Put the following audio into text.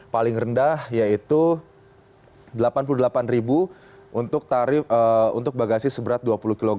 paling rendah yaitu rp delapan puluh delapan untuk tarif untuk bagasi seberat dua puluh kg